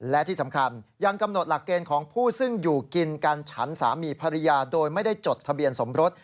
และที่สำคัญยังกำหนดหลักเกณฑ์ของผู้ซึ่งอยู่กินกันฉันสามีภรรยาโดยไม่ได้จดทะเบียนสมรส